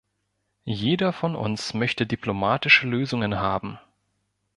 Jeder von uns möchte diplomatische Lösungen haben.